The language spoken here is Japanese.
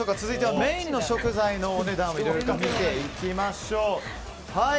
続いては、メインの食材のお値段を見ていきましょう。